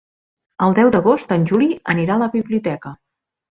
El deu d'agost en Juli anirà a la biblioteca.